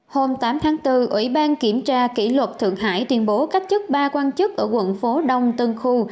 hôm tám tháng bốn ủy ban kiểm tra kỷ luật thượng hải tuyên bố cách chức ba quan chức ở quận phố đông tân khu